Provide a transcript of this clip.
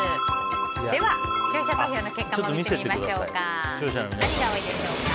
では、視聴者投票の結果も見てみましょう。